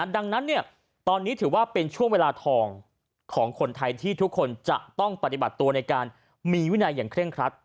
ดังนั้นตอนนี้ถือว่าเป็นช่วงเวลาทองของคนไทยที่ทุกคนจะต้องปฏิบัติตัวในการมีวินัยอย่างเคร่งครัด